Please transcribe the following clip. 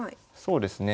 そうですね。